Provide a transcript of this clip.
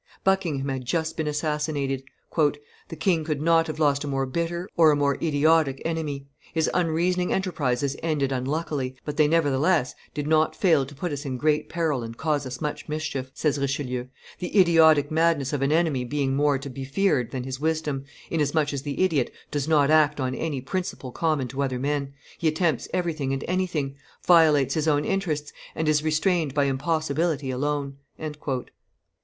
Buckingham had just been assassinated. "The king could not have lost a more bitter or a more idiotic enemy; his unreasoning enterprises ended unluckily, but they, nevertheless, did not fail to put us in great peril and cause us much mischief," says Richelieu "the idiotic madness of an enemy being more to be feared than his wisdom, inasmuch as the idiot does not act on any principle common to other men, he attempts everything and anything, violates his own interests, and is restrained by impossibility alone."